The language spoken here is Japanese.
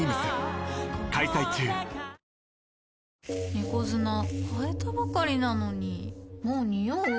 猫砂替えたばかりなのにもうニオう？